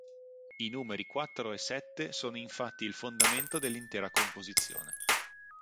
I numeri quattro e sette sono infatti il fondamento dell'intera composizione.